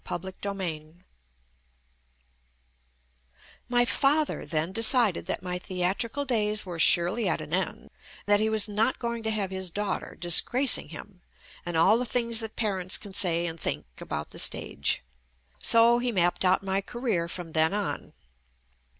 166] JUST ME My father then decided that my theatrical days were surely at an end, that he was not going to have his daughter disgracing him, and all the things that parents can say and think about the stage. So he mapped out my career from then on.